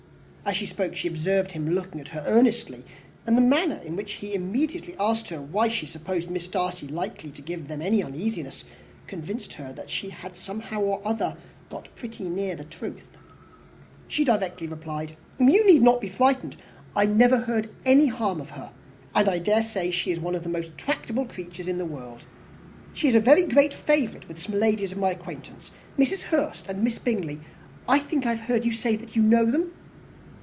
As she spoke, she observed him looking at her earnestly; and the manner in which he immediately asked her why she supposed Miss Darcy likely to give them any uneasiness, convinced her that she had somehow or other got pretty near the truth. She directly replied, "You need not be frightened. I never heard any harm of her; and I dare say she is one of the most tractable creatures in the world. She is a very great favourite with some ladies of my acquaintance, Mrs. Hurst and Miss Bingley. I think I have heard you say that you know them."